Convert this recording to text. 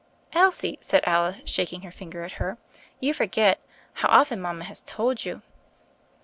"Elsie," said Alice, shaking her finger at her, "you forget. How often has mama told you."